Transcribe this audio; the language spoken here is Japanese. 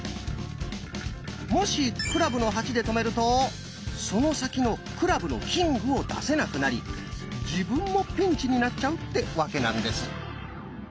もし「クラブの８」で止めるとその先の「クラブのキング」を出せなくなり自分もピンチになっちゃうってわけなんです。